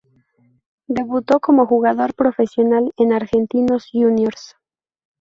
Debutó como jugador profesional en Argentinos Juniors.